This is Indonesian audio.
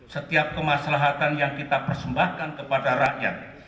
setiap kemaslahatan yang kita persembahkan kepada rakyat